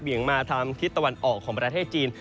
มาทางทิศตะวันออกของประเทศจีน